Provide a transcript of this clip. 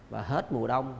và hết mùa đông